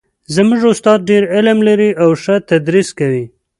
زموږ استاد ډېر علم لري او ښه تدریس کوي